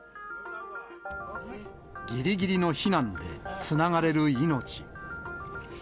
ぎりぎりの避難でつながれる命。